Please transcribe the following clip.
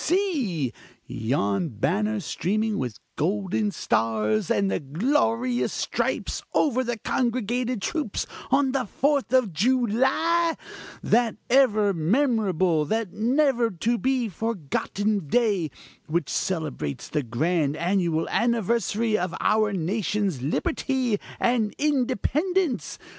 See! yon banner streaming with golden stars and glorious stripes over congregated troops, on the Fourth of July, that ever memorable that never to be forgotten day, which celebrates the grand annual anniversary of our nation's liberty and independence!